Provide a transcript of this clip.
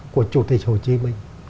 của chủ tịch hồ chí minh